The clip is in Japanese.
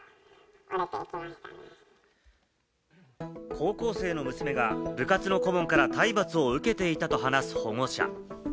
高校生の娘が部活の顧問から体罰を受けていたと話す保護者。